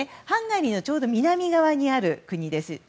ハンガリーのちょうど南側にある国です。